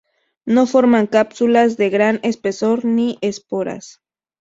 No forman cápsulas de gran espesor ni esporas.